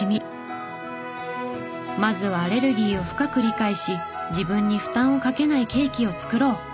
まずはアレルギーを深く理解し自分に負担をかけないケーキを作ろう！